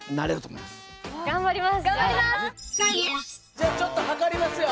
じゃあちょっと測りますよ。